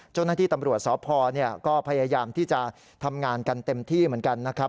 เจ้าหน้าที่ตำรวจสพก็พยายามที่จะทำงานกันเต็มที่เหมือนกันนะครับ